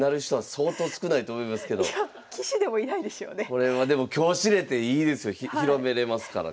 これはでも今日知れていいですよ広めれますからね。